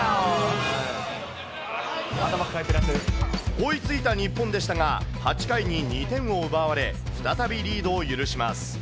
追いついた日本でしたが、８回に２点を奪われ、再びリードを許します。